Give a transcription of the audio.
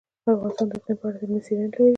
افغانستان د اقلیم په اړه علمي څېړنې لري.